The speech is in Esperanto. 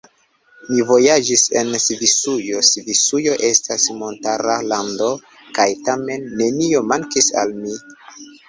Mi vojaĝis en Svisujo; Svisujo estas montara lando, kaj tamen nenio mankis al mi.